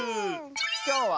きょうは。